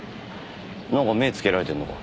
なんか目つけられてんのか？